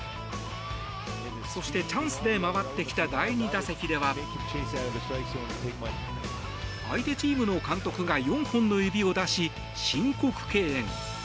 そして、チャンスで回ってきた第２打席では相手チームの監督が４本の指を出し申告敬遠。